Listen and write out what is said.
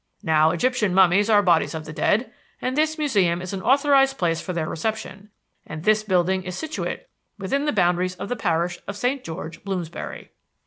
Now Egyptian mummies are bodies of the dead, and this Museum is an authorized place for their reception; and this building is situate within the boundaries of the parish of St. George, Bloomsbury.